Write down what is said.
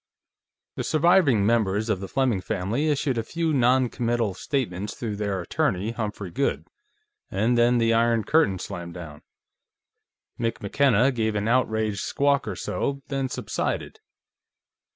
The surviving members of the Fleming family issued a few noncommittal statements through their attorney, Humphrey Goode, and then the Iron Curtain slammed down. Mick McKenna gave an outraged squawk or so, then subsided.